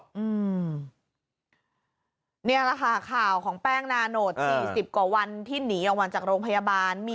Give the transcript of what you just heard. นี่แหละค่ะข่าวของแป้งนาโนต๔๐กว่าวันที่หนีออกมาจากโรงพยาบาล